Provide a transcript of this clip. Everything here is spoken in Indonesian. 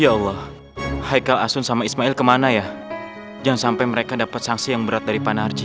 ya allah haikal asun sama ismail kemana ya jangan sampai mereka dapat sanksi yang berat dari panarji